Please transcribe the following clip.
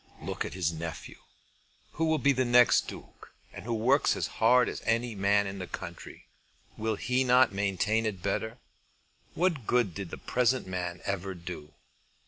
"Look at his nephew, who will be the next Duke, and who works as hard as any man in the country. Will he not maintain it better? What good did the present man ever do?"